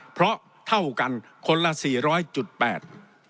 เพราะเท่ากันคนละสี่ร้อยจุดแปด